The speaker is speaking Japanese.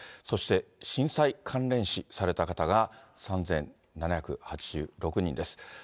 そして、震災関連死された方が３７８６人です。